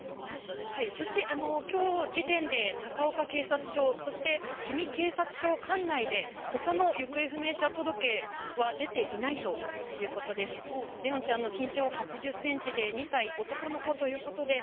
そして、今日時点で高岡警察署、そして氷見警察署管内で他の行方不明者届は出ていないということです。